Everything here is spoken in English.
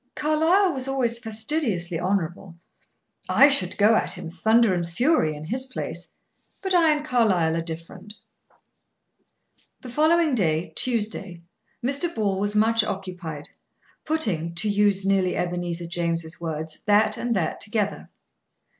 Carlyle was always fastidiously honorable. I should go at him, thunder and fury, in his place; but I and Carlyle are different." The following day, Tuesday, Mr. Ball was much occupied, putting, to use nearly Ebenezer James' words, that and that together.